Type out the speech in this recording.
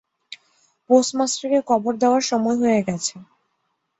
পোস্টমাস্টারকে কবর দেওয়ার সময় হয়ে গেছে।